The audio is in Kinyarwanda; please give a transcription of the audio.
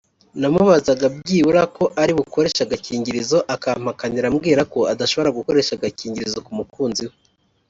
namubaza byibura ko ari bukoreshe agakingirizo akampakanira ambwira ko adashobora gukoresha agakingirizo k’umukunzi we